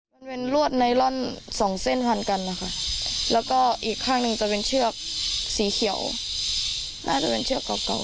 มันเป็นรวดไนลอนสองเส้นพันกันนะคะแล้วก็อีกข้างหนึ่งจะเป็นเชือกสีเขียวน่าจะเป็นเชือกเก่าเก่า